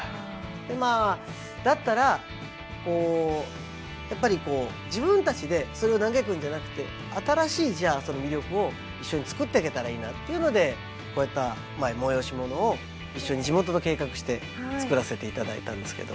でまあだったらやっぱり自分たちでそれを嘆くんじゃなくて新しい魅力を一緒に作っていけたらいいなっていうのでこうやった催し物を一緒に地元と計画して作らせていただいたんですけど。